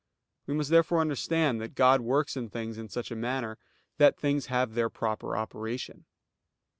We must therefore understand that God works in things in such a manner that things have their proper operation.